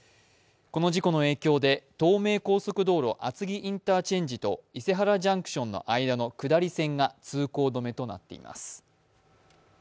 この事故の影響で東名高速道路、厚木インターチェンジと伊勢原ジャンクションの間の下り線が通行止めとなっています。